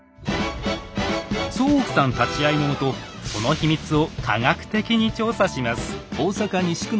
宗屋さん立ち会いのもとその秘密を科学的に調査します。